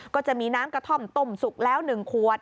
ก็จะมีน้ำกระท่อมต้มสุกแล้ว๑ขวด